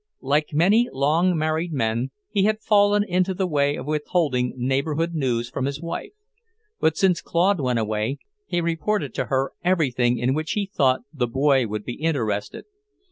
Like many long married men he had fallen into the way of withholding neighbourhood news from his wife. But since Claude went away he reported to her everything in which he thought the boy would be interested.